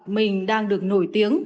mình đang được nổi tiếng